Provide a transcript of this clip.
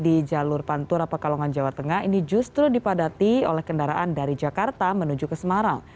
di jalur pantura pekalongan jawa tengah ini justru dipadati oleh kendaraan dari jakarta menuju ke semarang